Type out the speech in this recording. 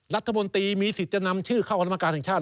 รัฐมนตรีมีสิทธิ์จะนำชื่อเข้ากรรมการแห่งชาติ